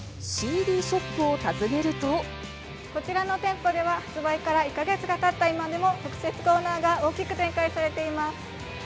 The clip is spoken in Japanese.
こちらの店舗では、発売から１か月がたった今でも、特設コーナーが大きく展開されています。